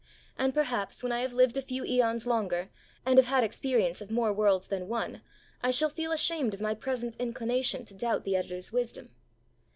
And perhaps when I have lived a few aeons longer, and have had experience of more worlds than one, I shall feel ashamed of my present inclination to doubt the editor's wisdom.